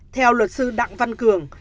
theo luật sư đặng văn cường